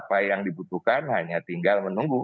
apa yang dibutuhkan hanya tinggal menunggu